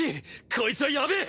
こいつはヤベえ！